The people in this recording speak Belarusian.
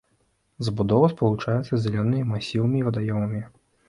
Забудова спалучаецца з зялёнымі масівамі і вадаёмамі.